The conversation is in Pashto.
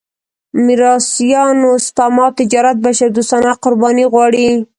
میراثيانو سپما تجارت بشردوستانه قرباني غواړي.